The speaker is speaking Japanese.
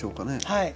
はい。